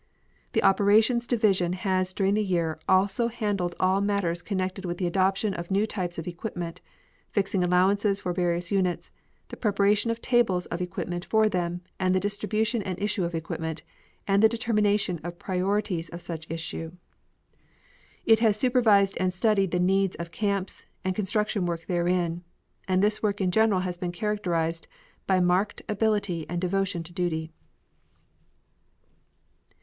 The Operations Division has during the year also handled all matters connected with the adoption of new types of equipment, fixing allowances for various units, the preparation of tables of equipment for them, and the distribution and issue of equipment, and the determination of priorities of such issue. It has supervised and studied the needs of camps and construction work therein, and this work in general has been characterized by marked ability and devotion to duty.